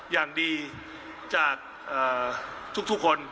อย่างดีจากทุกคน